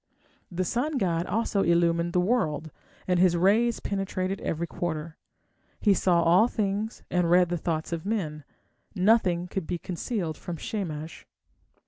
The sun god also illumined the world, and his rays penetrated every quarter: he saw all things, and read the thoughts of men; nothing could be concealed from Shamash.